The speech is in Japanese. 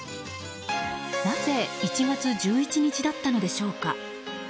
なぜ１月１１日だったのでしょうか？